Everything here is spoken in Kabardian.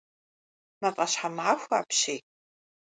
Мафӏэщхьэмахуэ апщий!